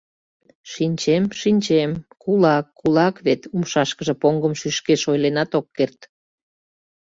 — Шинчем... шинчем, кулак... кулак... вет... — умшашкыже поҥгым шӱшкеш, ойленат ок керт.